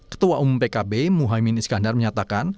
ketua umum pkb muhaymin iskandar menyatakan